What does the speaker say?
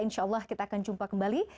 insya allah kita akan jumpa kembali